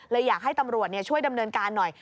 อยากให้ตำรวจช่วยดำเนินการหน่อย